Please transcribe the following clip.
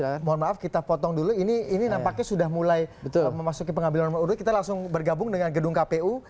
oke mohon maaf kita potong dulu ini nampaknya sudah mulai memasuki pengambilan nomor urut kita langsung bergabung dengan gedung kpu